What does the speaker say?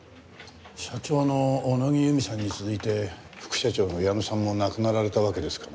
社長の小野木由美さんに続いて副社長の矢野さんも亡くなられたわけですからね。